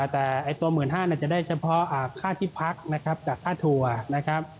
แต่ตัว๑๕๐๐๐จะได้เฉพาะค่าที่พักกับค่าถั่วนะครับ